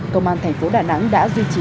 công an thành phố đà nẵng đã duy trì